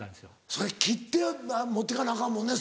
それ切って持ってかなアカンもんね